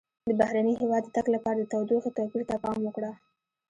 د بهرني هېواد د تګ لپاره د تودوخې توپیر ته پام وکړه.